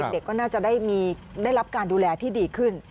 เด็กก็น่าจะได้รับการดูแลที่ดีขึ้น